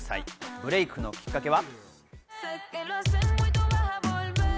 ブレイクのきっかけは。